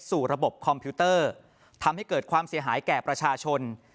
ระบบคอมพิวเตอร์ทำให้เกิดความเสียหายแก่ประชาชน